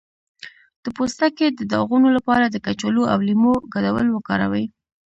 د پوستکي د داغونو لپاره د کچالو او لیمو ګډول وکاروئ